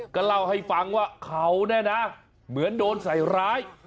ก็เล่าให้ฟังว่าเขาเนี่ยนะเหมือนโดนใส่ร้าย